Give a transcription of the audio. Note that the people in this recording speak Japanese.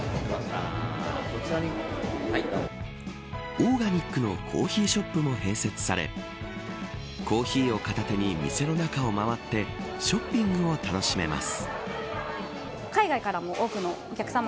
オーガニックのコーヒーショップも併設されコーヒーを片手に店の中を回ってショッピングを楽しめます。